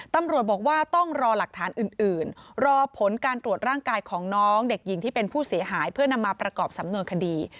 ตำรวจบอกว่าต้องรอหลักฐานอื่นรอผลการตรวจร่างกายของน้องเด็กหญิงที่เป็นผู้เสียหายเพื่อนำมาประกอบสำนวนคดี